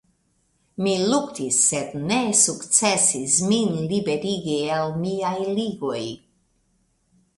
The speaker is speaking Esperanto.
Mi luktis sed ne sukcesis min liberigi el miaj ligoj.